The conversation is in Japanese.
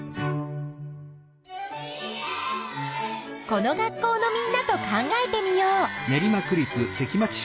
この学校のみんなと考えてみよう！